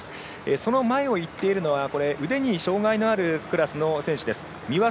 その前を行っているのは腕に障がいのあるクラスの選手です。